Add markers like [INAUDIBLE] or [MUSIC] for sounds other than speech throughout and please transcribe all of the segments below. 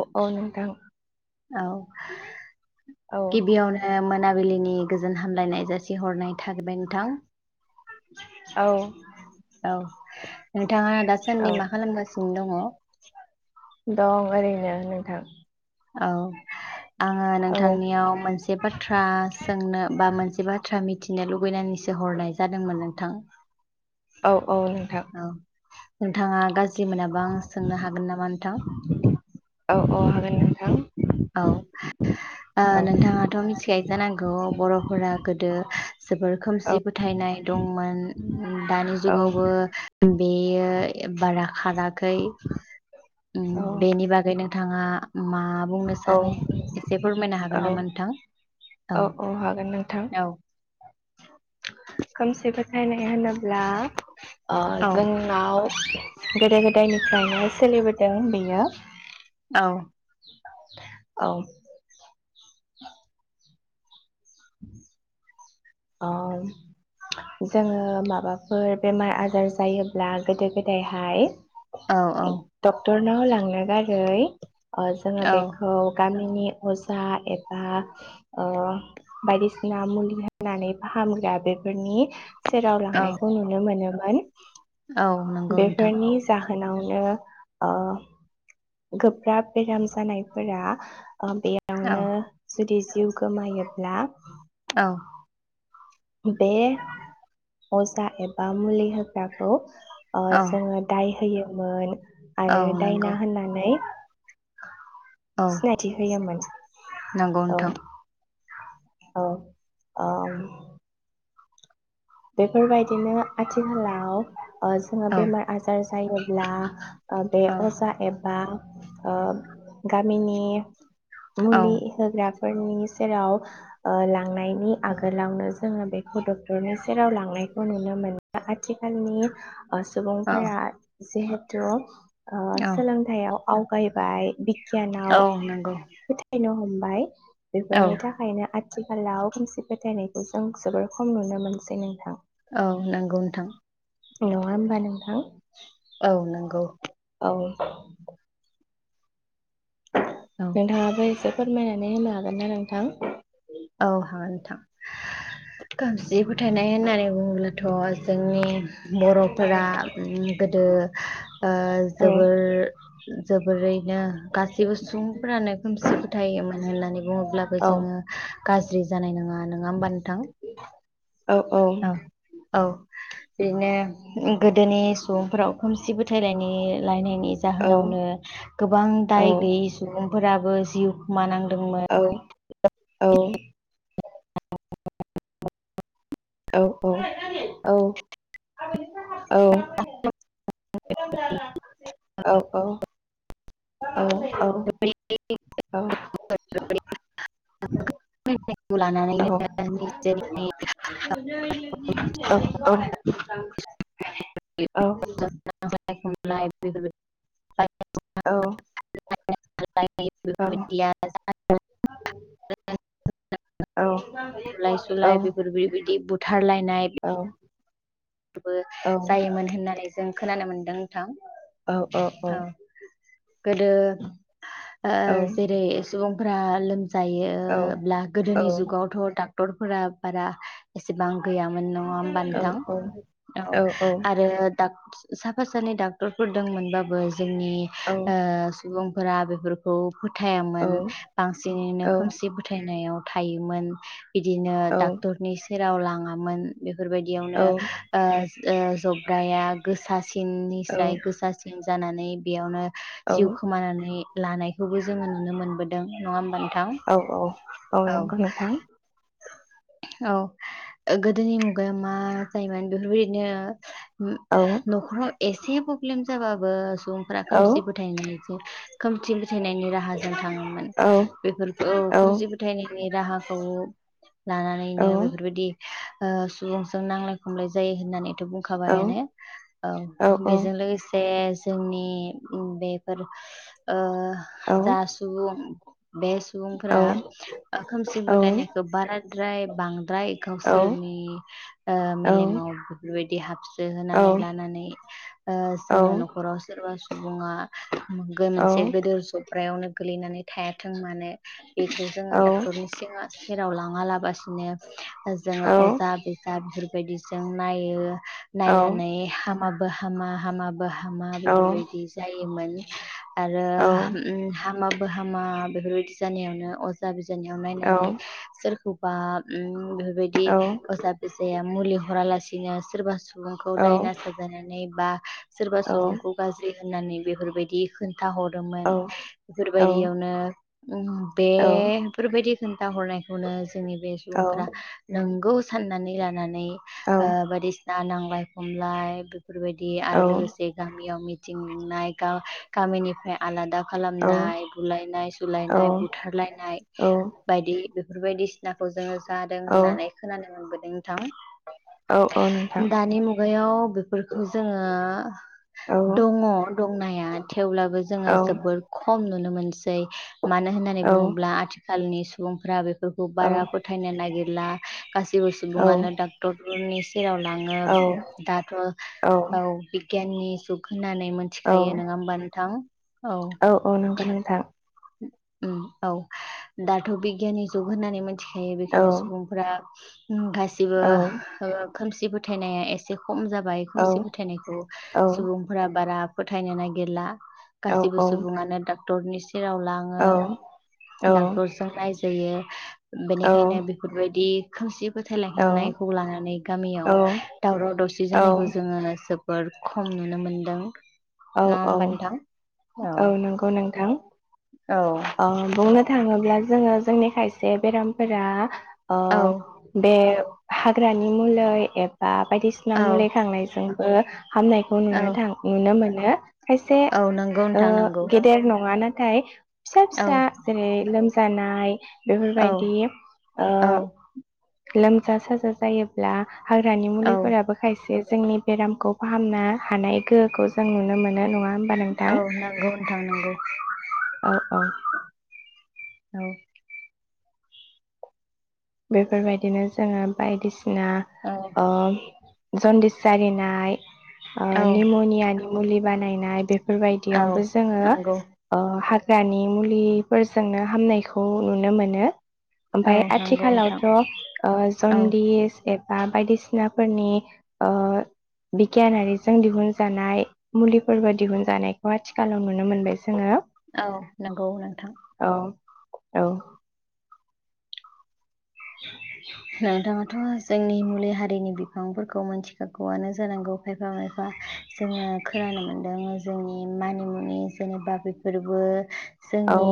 अह औ नोंथां। औ औ गिबियावनो मोनाब बिलिनि गोजोन हामलायनाय जासिहरनाय थागोरबाय नोंथां। औ औ नोंथाङा औ दासान्दि मा खालामगासिनो दङ? [UNINTELLIGIBLE] दं ओरैनो नोंथां। औ। आङो औ नोंथांनियाव मोनसे बाथ्रा सोंनो बा मोनसे बाथ्रा मि थिनो लुबैनानैसो हरनाय जादोंमोन नोंथां। औ। औ नोंथां। औ नोंथाङा गाज ज्रि मोनाबा आं सोंनो हागोन नामा नोंथां? औ औ हागोन नोंथां। औ औ ओ नोंथाङाथ मि थि खायजानांगौ बरफोरा गोदो जोबोर औ खोमसि फोथायनाय दंमोन। दानि औ जुगावबो बेयो बारा खाराखै औ बेनि बागै नोंथाङा मा। औ सानो एसे फोरमायनो हागोन नामा नोंथां औ हागोन नोंथां औ खोमसि फोथायनाय होनोब्ला औ जोंनाव ओ गोदो गोदायनि सोलिबोदों बियो औ। औ। ओ जोङो माबाफोर बेमार आजार जायोब्ला गोदो गोदायहाय औ औ। रनो लांनो गारै अ जोंङा बेखौ गानो नि अजा एबा ओ फनानै फाहामग्रा बेफोरनि सेराव औ लांनायखौ नुनो मोनो मोन औ नंगौ नोंथां बेफोरनि जाहोनाव ओ गोब्राब बेराम जानायफोरा औ बेयावनो जुदि जिउ गोमायोब्ला औ। बे अजा एबा मुलि होग्राखौ ओ औ जोङो दाय होयो मोन औ आरो नंगौ दायना होननानै औ सिनायथि होयोमोन नंगौ औ। नोंथां औ आ बेफोर बाय‌ दिनो आथिखालाव जोङो औ बेमार आजार जायोब्ला बे औ अजा एबा ओ गामिनि औ मुलि होग्रा नि सेराव ओ लांनायनि आगोलावनो जोङो बेखौ डक्टरनि सेराव लांनायखौ नुनो मोनो आथिखालनि औ सुबुंफोरा जे ज' औ सोलोंथायाइयाव आवगायबाय गियानाव औ नंगौ फोथायनो हमो बाय औ बेफोरनि थाखायनो आथिखालाव खोमसि फोथायनायखौ जों जोबोर खम नुनो मोनो। सै नोंथां। औ नंगौ नोंथां। नङा होमबा नोंथां? औ नंगौ। औ। औ नोंथाङाबो फोरमायनानै होनो हागोन ना नोंथां? औ हागोन नोंथां खोमसि फोथायनाय होननानै बुङोब्लाथ' जोंनि बर'फोरा गोदो जोबोर जोबोरै बिदिनो गासैबो सुबुंफ्रानो खोमसि फोथायोमोन होननानै बुङोब्लाबो औ जोङो गाज्रि जानाय नङा नङा होमबा नोंथां औ औ औ। बिदिनो गोदोनि सुबुंफोराव खोमसिबो लायनायनि औ जाहोनावनो गोबां औ दाय गैयै सुबुंफोराबो जिउमानां औ। औ। [UNINTELLIGIBLE] औ औ औ औ। औ औ। औ औ औ। लानानैनो निजेनि औ औ औ औ। [UNINTELLIGIBLE] औ। [UNINTELLIGIBLE] बुलाय सुलाय बेफोर बेबायदि बुथारलायनाय बो जायोमोन होननानै जों खोनानो मोन्दों नोंथां। औ औ औ गोदो ओ औ जेरै सुबुं फ्रा लोम जायोब्ला गोदोनि जुगावथ डाक टरफोरा बारा एसेबां गैयामोन नङा होमबा नोंथां औ औ आरो डाक साफा सानै डाक्टरफोर दंमोनबाबो जोंनि ओ सुबुफोरा बेफोरफोरखौ फुथायामोन बांसिनैनो खोमसि फुथायनायाव थायोमोन बिदिनो डाक्टरनि सेराव लाङामोन बेफोरबायदियावनो ओस ओ जबग्राया गोसासिननिसाय गोसासिन जानानै बेयावनो जिउ खोमानानै लानायखौबो जोङो नुनो मोनबोदों नङा होमबा नों औ औ औ नंगौ नोंथां औ गोदोनि मुगाया मा जायोमोन बेफोरबायदिनो उ न'खराव एसे प्रब्लेम जा बाबो सुबुंफोरा खोमसि फोथायनाय खोमसि फो फोथायनायनि राहाजों थाङोमोन बेफोरखौ औ खोमसि फोथायनायनि राहाखौ लानानैनो बेफोरबायदि ओ सुबुंजों नांलाय खमलाय जायो होननानै बुंखाबायानो औ बेजों लोगोसे जोंनि बेफोर ओ जा सुबुं बे सुबुंफोरा ओ खोमसि मोथायनायखौ बारा द्राय बां द्राय गावसोरनि ओ मेलेमाव बेफोर [UNINTELLIGIBLE] होनानै लानानै ओ जोङो न'खराव सोरबा सुबुङा मोनगोन मोनसे गेदेर जब्रायावनो गोलैनानै थायाथों माने बेखौ जोङो डाक्टरनि सिङा जेराव लाङा ला बासिनो जोङो अजा बेसाद बे बेबायदिजों नायो नायनानै हामाबो हामा हामा बो हामा बेफोर बायदि जायो मोन आरो उम‌ हामा बो हामा बेफोरबायदि जानायावनो अज आ बिजावनियाव नायनानै सोरखौ बा उय बे बायदि अजा फिसाया मुलि हरा लासि दिनो सोरबा सु सुबुंखौ डायना साजायनानै बा सोरबा सुबुंखौ गाज्रि होननानै बेफोरबायदि खो था हरोमोन बेफोरबायदियावनो उम बेफोरबायदि खोनथा हरनाय जोंनि बे सुबुंफोरा नोंगौ साननानै लानानै ओ बादि ना नांलाय खमलाय बेफोरबायदि आरो लोगोसे गामियाव मि थिं लिंनाय गा-गामिनिफ्राय आलादा औ औ खालामनाय बुलायनाय औ सुलायनाय बुथारलायनाय बायदि बेफोरबायदि नाखौ जोङो जादों औ होननानै खोनानो मोनबो नोंथां औ औ नोंथां दानि मुगायाव बेफोरखौ जोङो औ दङ दंनाया थेवब्लाबो जोङो औ जोबोद खम नुनो मोनो सै मानो होननानै बुङोब्ला आथिखालनि सुबुंफोरा बि औ बारा फोथायनो नागिर ला गासिबो सुबुंआनो डाक्टर उननिस सेराव लाङो औ दाथ' औ बि [UNINTELLIGIBLE] होननानै मिथिखायो नङा होमबा नोंथां औ औ नंगौ नोंथां उम औ दाथ' बिगियाननि जुग होननानै मिथि यो औ बेखायनो सुबुंफोरा गासिबो औ खोमसि फोथायनाया एसे खम जाबाय औ खोमसि फोथायनायखौ औ सुबुंफोरा बारा फोथायनो नागिरला औ गासिबो औ सुबुङानो डा डक्टरनि सेराव औ ओ डाक्टरजों नायजोयो बेनिखायनो बेफोरबायदि थुंसिब फोथायलाहेनायखौ लानानै गामियाव दावराव दावसि जानायखौ जोङो सोब जोबोर खम नुनो मोनदों। औ नङा औ होमबा नोंथां? औ नोंगौ नोंथां। औ अ बुंनो थाङोब्ला जोङो जोंनि खायसे बेरामफोरा अ औ बे हाग्रानि मुलै एबा बायदिसिना औ मुलि खांनायजों ओ हामनायखौनो औ नुनो थां नुनो मोन नो खायसे औ नंगौ ओ नोंथां नंगौ गेदेर नङा ना थाय फिसा फिसा औ जेरै लोम जानाय औ बेफोरबायदि ओ औ लोमजा साजा जायोब्ला हाग्रानि औ मुलिफोराबो खायसे जोंनि बेरामखौ फाहामना हानाय गोहोखौ जों नुनो मोनो नङा होमबा नोंथां औ नोंगौ नोंथां नोंगौ। औ औ। औ। बेफोरबायदिनो जोङो बायदिसि ना औ ओम जन्दिस जारिनाय ओ औ निमनिया मुलि बानायनाय बे औ फोरबायदियावबो जोङो नंगौ ओ हा ग्रानि मुलिफोरजोंनो हामनायखौ नुनो मोनो। ओमफाय औ नोंगौ। [UNINTELLIGIBLE] ओ जनदिस एबा बायदिसिनाफोरनि ओ बिगियानारिजों दिहुनजानाय मुलिफोरबो दिहुनजानायखौ आथिखालाव नुनो मोनबाय जोङो औ नोंगौ नोंथां। औ औ। नोंथाङाथ' जोंनि मुलि हारिनि बिफांफोरखौ मोनथिखागौआनो जानांगौ खाय एफा एफा जोङो खोनानो मोनदों जोंनि मानिमुनि जेनेबा बेफोरबो औ जोंनि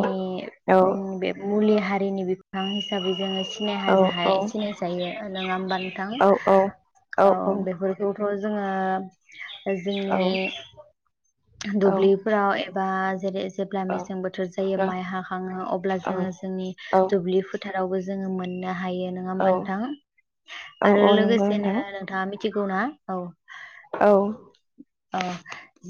औ उम बे मुलि हारिनि बिफां हिसाबै जोङो सिनाय औ हाजाहाय सिनाय जायो नङा होमबा नोंथां औ बेफोरखौ खौ जोङो औ जोंनि औ दुब्लिफोराव एबा [UNINTELLIGIBLE] जेब्ला औ मेसें बोथोर जायो माइ हाखाङो अब्ला जो औ जोंनि दुब्लिफो थारावबो जोङो मोननो हायो। नङा होमबा औ नोंथां औ आरो औ नंगौ लोगोसेनो नोंथां नोंथाङा मि थिगौ ना औ औ अ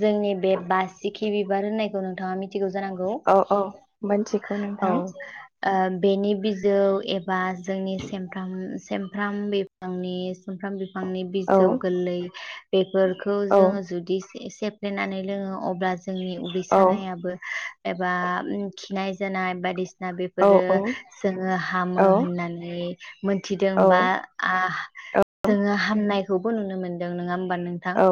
जोंनि बे बासिखि बिबार होननायखौ नोंथाङा मि थिगौ जानांगौ औ औ मोनथिगौ औ नोंथां ओ बेनि बिजौ एफ बा जोंनि सेमफ्राम सेम फ्राम बिफांनि सुमफ्राम बिफां फांनि औ बिजौ गोरलै बेफोर खौ औ जोङो जुदि सेफ्लेनानै लोङो अब्ला जोंनि उदै औ सानायाबो एबा खिनाय जानाय बादिस ना औ बेफोरो जोङो हामो औ होननानै मोनथिदों बा औ जोङो हामनायखौबो नुनो मोनदों नङा होमबा औ नोंथां?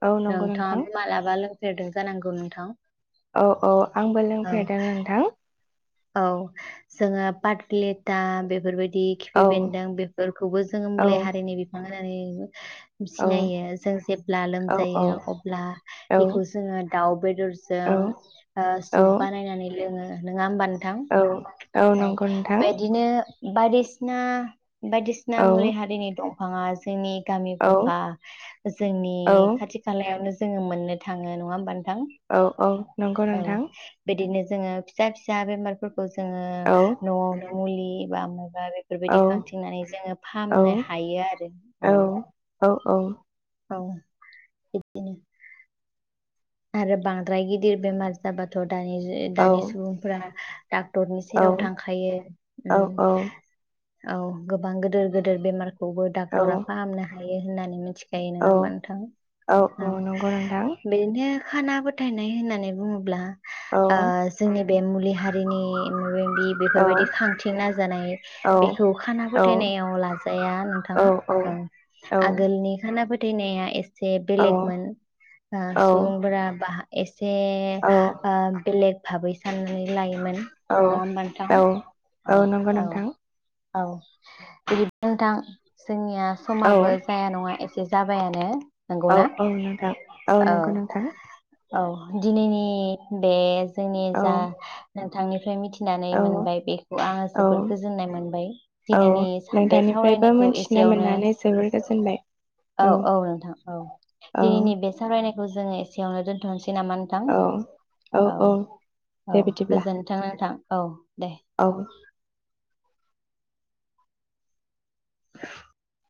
औ नंगौ नोंथां नोंथाङा मालाबा लों फेरदों गानांगौ नोंथां औ औ आंबो औ लोंफेरदों नोंथां। औ जोङो पाटलेटा बेफोरबाय दि खिफि औ बेन्दों बेफोरखौबो जोङो औ मुलि हारिनि बिफां नानै औ सिनायो जों जेब्ला औ लोमजायो अब्ला औ बेखौ जोङो दाउ बे दरजों ओ औ सुब बानायनानै लोङो नङा होमबा औ औ नंगौ नोंथां। बादिसिना बायदिसिना औ मुलि हारिनि दं। फाङा जोंनि गामि औ गफा जोंनि औ खाथि खालायावनो जोङो मोननो थाङो नङा होमबा नोंथां? औ औ नंगौ औ नोंथां। जोङो फिसा फिसा बेमार खौ जोङो औ न'आवनो मुलि एबा आङो आरो बेफोरबायदि औ खांथिंनानै जोङो औ फाहामनो हायो आरो औ औ औ औ बिदिनो आरो बांद्राय गिदिर बेमार जाबाथ' दानि जु औ दानि सुबुंफोरा डाक्टरनि सेराव औ औ थांखायो। औ उम औ गोबां गोदोर गोदोर बेमार खौबो औ डाक्टरा फाहामनो हायो होननानै मिथिखायो नङा औ होमबा नोंथां औ बि [UNINTELLIGIBLE] खाना फोथायनाय होननानै बुङोब्ला औ ओ जोंनि बे मुलि हारिनि मायाबा मायबि औ बेफोरबायदि खांथि नाजानाय औ बेखौ खाना औ फोथायनायाव लाजाया नोंथां औ औ आगोलनि खाना फो दिनैआ एस जे बेलेगमोन आ सुं बा एस जे औ ओ बेलेग भाबै साननानै लायोमोन औ नङा होमबा नोंथां। औ औ नंगौ औ नोंथां औ बि [UNINTELLIGIBLE] नोंथां जोंनि या औ समाबो जाया नङा एसे जाब बायानो औ औ नोंथां औ नंगौ नोंथां। औ दिनैनि बे जोंनि औ जा नोंथांनिफ्राय मिथिनानै औ मोनबाय बेखौ आङो औ जोबोर गोजोननाय मोनबाय। औ दिनैनि साब बे नोंथांनिफ्रायबो सावरायनायखौ मोनथिनो एसेयावनो मोननानै जोबोर गोजोनबाय औ औ नोंथां औ औ दिनैनि बे सावरायनाय खौ जोङो एस सेआवनो दोनथ'नसै नामा नोंथां? औ औ औ दे बिदिब्ला गोजोनथों नोंथां। औ दे। औ [INAUDIBLE]